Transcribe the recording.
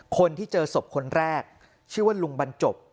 คนที่เจอศพคนแรกชื่อว่าลุงบรรจบ